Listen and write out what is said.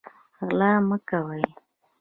غلا مه کوئ